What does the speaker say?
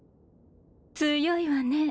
強いわね